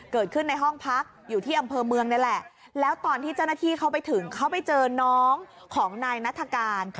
เกิดขึ้นในห้องพักอยู่ที่อำเภอเมืองนี่แหละแล้วตอนที่เจ้าหน้าที่เขาไปถึงเขาไปเจอน้องของนายนัฐกาล